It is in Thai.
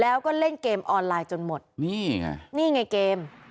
แล้วก็เล่นเกมออนไลน์จนหมดนี่ไงนี่ไงเกม